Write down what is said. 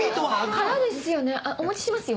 空ですよねお持ちしますよ。